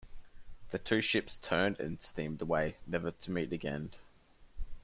The two ships turned and steamed away, never to meet again.